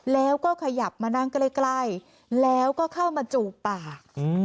แล้วก็ขยับมานั่งใกล้แล้วก็เข้ามาจูบปาก